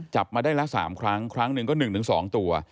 จับมาได้ละ๓ครั้งครั้งหนึ่งก็๑๒ตัว